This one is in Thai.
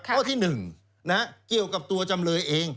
ข้อที่๑เกี่ยวกับตัวจำเลยเอง